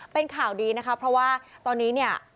เป็นข่าวดีนะคะเพราะว่าตอนนี้เนี่ย